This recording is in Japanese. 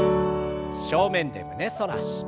正面で胸反らし。